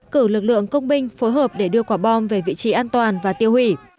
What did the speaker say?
cử lực lượng công binh phối hợp để đưa quả bom về vị trí an toàn và tiêu hủy